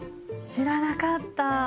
知らなかった。